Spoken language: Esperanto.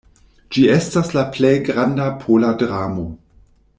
Ĝi estas la plej granda pola dramo.